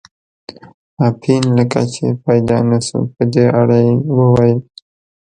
اپین لکه چې پیدا نه شو، په دې اړه یې وویل.